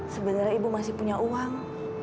sebenarnya ibu masih punya uang